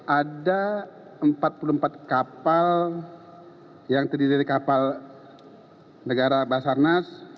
ada empat puluh empat kapal yang terdiri dari kapal negara basarnas